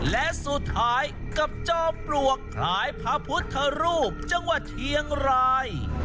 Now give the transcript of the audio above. และสุดท้ายกับจอมปลวกคล้ายพระพุทธรูปจังหวัดเชียงราย